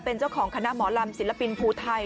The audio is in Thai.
เป็นเจ้าของคณะหมอลำศิลปินภูไทย